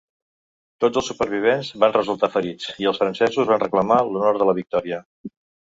Tots els supervivents van resultar ferits, i els francesos van reclamar l'honor de la victòria.